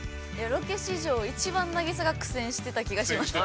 ◆ロケ史上一番凪沙が苦戦してた気がしました。